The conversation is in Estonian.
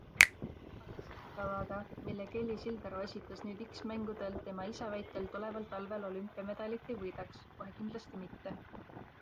Aga selle kavaga, mille Kelly Sildaru esitas nüüd X-mängudel, tema isa väitel tuleval talvel olümpiamedalit ei võidaks, kohe kindlasti mitte.